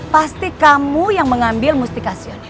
pasti kamu yang mengambil mustika sion itu